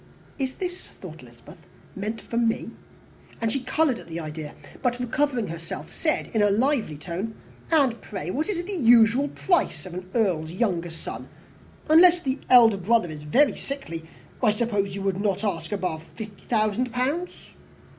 "Is this," thought Elizabeth, "meant for me?" and she coloured at the idea; but, recovering herself, said in a lively tone, "And pray, what is the usual price of an earl's younger son? Unless the elder brother is very sickly, I suppose you would not ask above fifty thousand pounds."